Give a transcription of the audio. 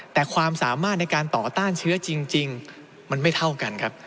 แต่ความสามารถในการต่อต้านเชื้อจริงมันไม่เท่ากันครับ